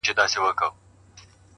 اخلاق د انسان د نوم رنګ دی,